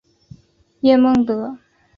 叶梦得。